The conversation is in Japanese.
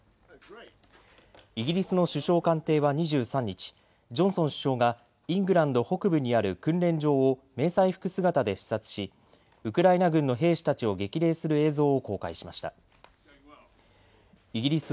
イギリスの首相官邸は２３日、ジョンソン首相がイングランド北部にある訓練場を迷彩服姿で視察しウクライナ軍の兵士たちを激励する映像を公開しました。